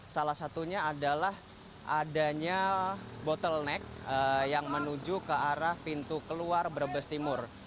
salah satunya adalah adanya bottleneck yang menuju ke arah pintu keluar brebes timur